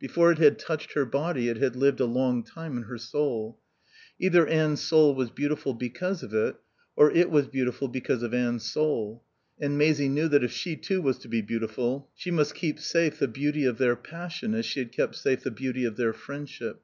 Before it had touched her body it had lived a long time in her soul. Either Anne's soul was beautiful because of it, or it was beautiful because of Anne's soul; and Maisie knew that if she too was to be beautiful she must keep safe the beauty of their passion as she had kept safe the beauty of their friendship.